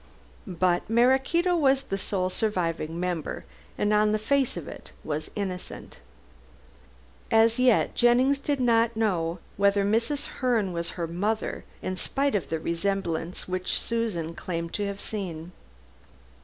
But Maraquito was the sole surviving member, and on the face of it was innocent. As yet Jennings did not know whether Mrs. Herne was her mother, in spite of the resemblance which Susan claimed to have seen.